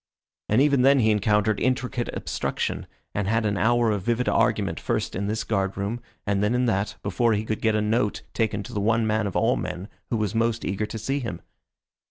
And even then he encountered intricate obstruction, and had an hour of vivid argument first in this guard room and then in that before he could get a note taken to the one man of all men who was most eager to see him.